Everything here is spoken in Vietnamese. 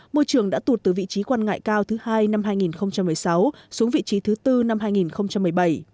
môi trường đã tụt từ vị trí quan ngại cao thứ hai năm hai nghìn một mươi sáu xuống vị trí thứ bốn năm hai nghìn một mươi bảy